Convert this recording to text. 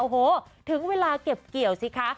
โอ้โหถึงเวลาเก็บเกี่ยวสิคะ